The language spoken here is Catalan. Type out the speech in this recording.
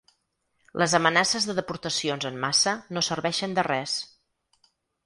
Les amenaces de deportacions en massa no serveixen de res.